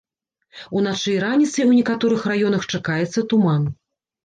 Уначы і раніцай у некаторых раёнах чакаецца туман.